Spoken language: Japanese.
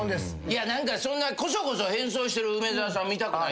いや何かそんなこそこそ変装してる梅沢さん見たくない。